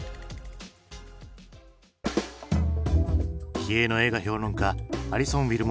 気鋭の映画評論家アリソン・ウィルモア。